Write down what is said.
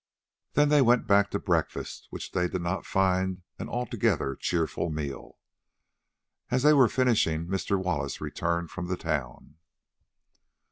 Then they went back to breakfast, which they did not find an altogether cheerful meal. As they were finishing, Mr. Wallace returned from the town.